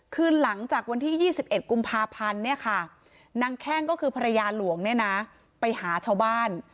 คือหลังจากวันที่๒๑กุมภาพันธ์เนี่ยค่ะนางแข้งก็คือภรรยาหลวงเนี่ยนะไปหาชาวบ้าน